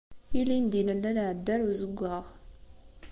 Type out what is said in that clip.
Ilindi nella nɛedda ɣer uzeggaɣ.